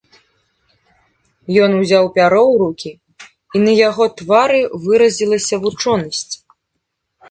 Ён узяў пяро ў рукі, і на яго твары выразілася вучонасць.